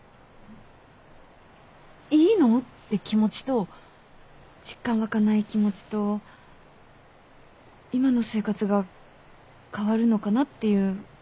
「いいの！？」って気持ちと実感湧かない気持ちと今の生活が変わるのかなっていう不安もあって。